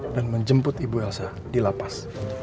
dan menjemput ibu elsa di lapas